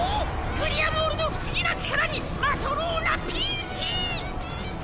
グリアモールの不思議な力にマトローナピンチ！